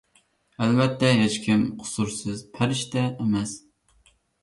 ئەلۋەتتە، ھېچكىم قۇسۇرسىز پەرىشتە ئەمەس.